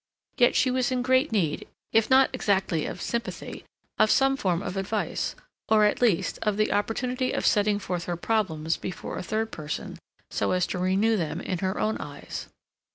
Yet she was in great need, if not exactly of sympathy, of some form of advice, or, at least, of the opportunity of setting forth her problems before a third person so as to renew them in her own eyes.